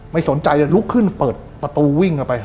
ไม่สนใจจะลุกขึ้นเปิดประตูวิ่งเข้าไป